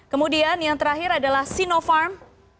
kemudian yang terakhir adalah sinopharm